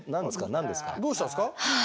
どうしたんですか？